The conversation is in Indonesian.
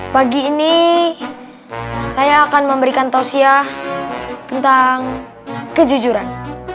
pagi ini saya akan memberikan tausiah tentang kejujuran